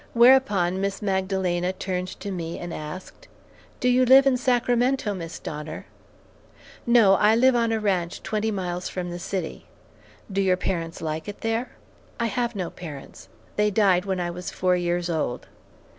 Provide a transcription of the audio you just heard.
Whereupon Miss Magdalena turned to me and asked, "Do you live in Sacramento, Miss Donner?" "No, I live on a ranch twenty miles from the city." "Do your parents like it there?" "I have no parents, they died when I was four years old."